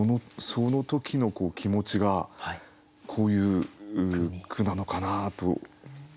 その時の気持ちがこういう句なのかなと思いますよね。